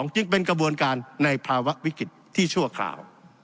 จึงเป็นกระบวนการในภาวะวิกฤตที่ชั่วคราว